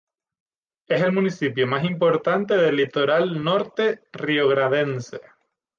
Es el municipio más importante del litoral norte riograndense.